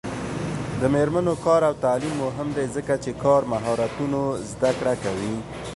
د میرمنو کار او تعلیم مهم دی ځکه چې کار مهارتونو زدکړه کوي.